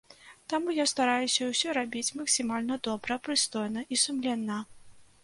Таму я стараюся ўсё рабіць максімальна добра, прыстойна і сумленна.